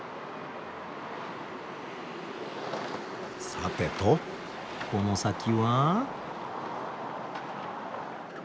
さてとこの先は？